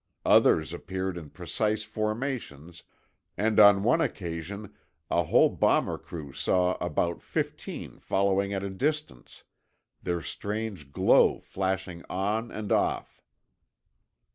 Others appeared in precise formations and on one occasion a whole bomber crew saw about 15 following at a distance, their strange glow flashing on and off.